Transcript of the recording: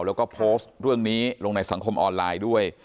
แล้วก็โพสต์เรื่องนี้ลงในสังคมออนไลน์ด้วย